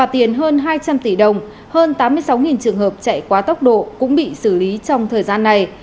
tiền hơn hai trăm linh tỷ đồng hơn tám mươi sáu trường hợp chạy quá tốc độ cũng bị xử lý trong thời gian này